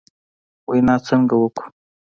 وینا څنګه وکړو ؟